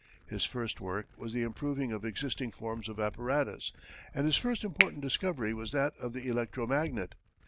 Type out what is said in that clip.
His first work was the improving of existing forms of apparatus, and his first important discovery was that of the electro magnet.